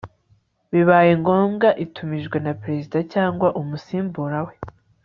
bibaye ngombwa itumijwe na perezida cyangwa umusimbura we